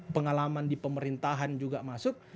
pengalaman di pemerintahan juga masuk